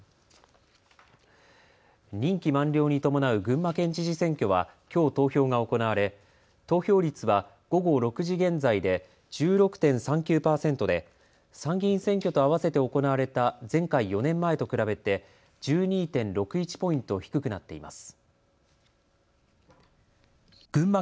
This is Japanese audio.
任期満了に伴う群馬県知事選挙はきょう投票が行われ投票率は午後６時現在で１６．３９％で、参議院選挙とあわせて行われた前回４年前と比べて１２．６１ポイント低くなっています。